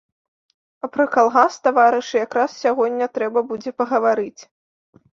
А пра калгас, таварышы, якраз сягоння трэба будзе пагаварыць.